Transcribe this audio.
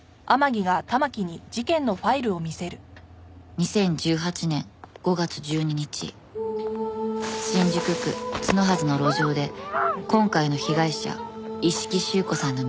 ２０１８年５月１２日新宿区角筈の路上で今回の被害者一色朱子さんの娘